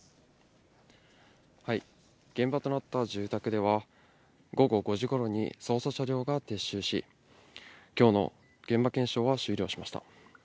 現場となった住宅では、午後５時ごろに捜査車両が撤収し、きょうの現場検証は終了しました。